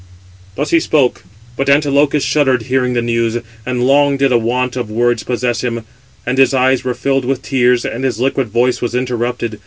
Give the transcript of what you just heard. Thus he spoke; but Antilochus shuddered, hearing the news; and long did a want of words possess him; and his eyes were filled with tears, and his liquid voice was interrupted.